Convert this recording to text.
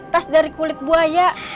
tas dari kulit buaya